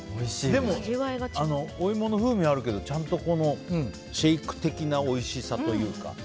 でも、お芋の風味あるけどちゃんとシェーク的なおいしさとか。